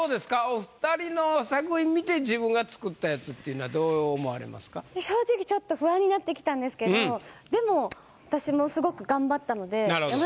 お２人の作品見て自分が作ったやつっていうのはどう思われますか？になってきたんですけどでも私もすごく頑張ったので。